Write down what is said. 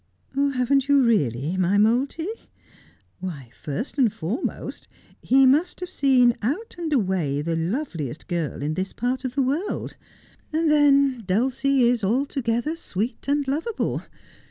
■' Haven't you really, my Monlty 1 "Why, first and foremost he must have seen out and away the loveliest girl in this part of the •world. And then Duleie is altogether sweet and lovable.